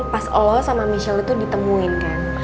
pas olah sama michelle itu ditemuin kan